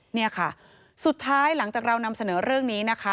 เนี่ยค่ะสุดท้ายหลังจากเรานำเสนอเรื่องนี้นะคะ